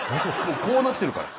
もうこうなってるから。